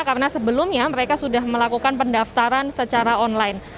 karena sebelumnya mereka sudah melakukan pendaftaran secara online